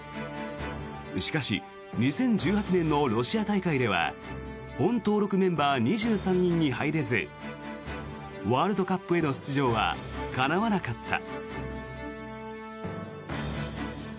しかし２０１８年のロシア大会では本登録メンバー２３人に入れずワールドカップへの出場はかなわなかった。